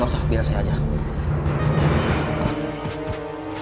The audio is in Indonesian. gausah jes biar saya ajak